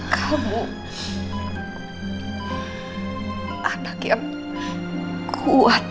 kamu anak yang kuat